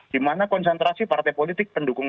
dimana konsentrasi partai politik pendukung